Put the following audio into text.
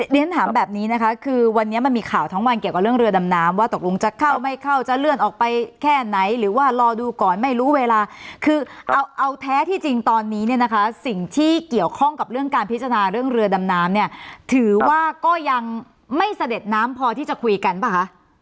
เรียนถามแบบนี้นะคะคือวันนี้มันมีข่าวทั้งวันเกี่ยวกับเรื่องเรือดำน้ำว่าตกลงจะเข้าไม่เข้าจะเลื่อนออกไปแค่ไหนหรือว่ารอดูก่อนไม่รู้เวลาคือเอาแท้ที่จริงตอนนี้เนี่ยนะคะสิ่งที่เกี่ยวข้องกับเรื่องการพิจารณาเรื่องเรือดำน้ำเนี่ยถือว่าก็ยังไม่เสด็จน้ำพอที่จะคุยกันป่ะคะ